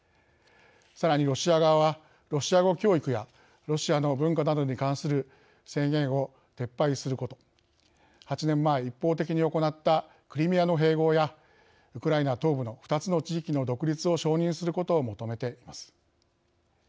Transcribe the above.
さらに、ロシア側はロシア語教育やロシアの文化などに関する制限を撤廃すること８年前、一方的に行ったクリミアの併合やウクライナ東部の２つの地域の独立を承認することを求めています。